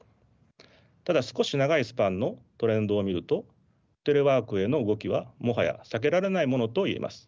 ただ少し長いスパンのトレンドを見るとテレワークへの動きはもはや避けられないものといえます。